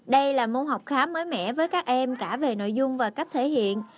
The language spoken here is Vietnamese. đây là môn học khá mới mẻ với các em cả về nội dung và cách thể hiện